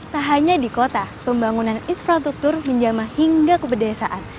tak hanya di kota pembangunan infrastruktur menjama hingga ke pedesaan